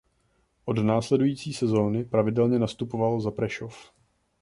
Od následující sezony pravidelně nastupoval za Prešov.